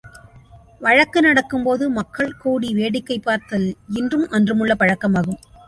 வழக்கு நடக்கும்போது மக்கள் கூடி வேடிக்கை பார்த்தல் இன்றும் அன்றுமுள்ள பழக்கமாகும்.